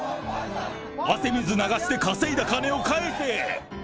汗水流して稼いだ金を返せ。